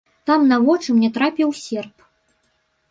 Там на вочы мне трапіў серп.